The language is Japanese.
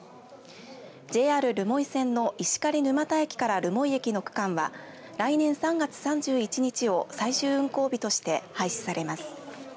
ＪＲ留萌線の石狩沼田駅から留萌駅の区間は来年３月３１日を最終運行日として廃止されます。